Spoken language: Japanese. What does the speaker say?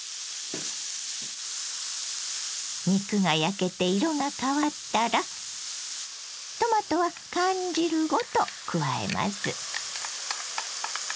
肉が焼けて色が変わったらトマトは缶汁ごと加えます。